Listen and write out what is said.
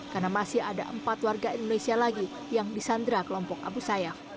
karena masih ada empat warga indonesia lagi yang disandera kelompok abu sayyaf